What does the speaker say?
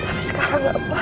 tapi sekarang apa